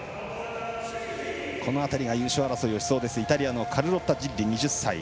この辺りが、優勝争いをしそうイタリアのカルロッタ・ジッリ２０歳。